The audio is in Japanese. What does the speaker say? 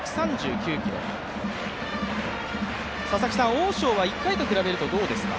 オウ・ショウは１回と比べるとどうですか。